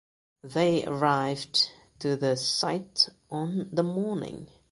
They arrived to the site on the morning.